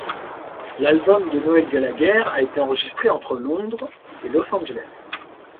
L'album de Noel Gallagher a été enregistré entre Londres et Los Angeles.